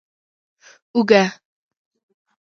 🧄 اوږه